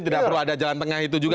tidak perlu ada jalan tengah itu juga